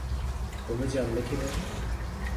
তুমি জানলে কীভাবে?